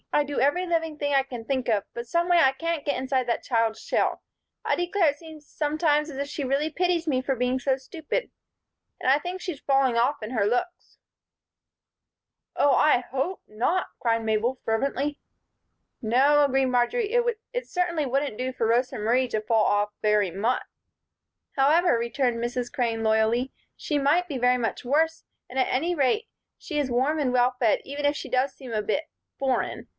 I do every living thing I can think of, but someway I can't get inside that child's shell. I declare, it seems sometimes as if she really pities me for being so stupid. And I think she's falling off in her looks." "Oh, I hope not," cried Mabel, fervently. "No," agreed Marjory, "it certainly wouldn't do for Rosa Marie to fall off very much." "However," returned Mrs. Crane, loyally, "she might be very much worse and at any rate she is warm and well fed, even if she does seem a bit foreign.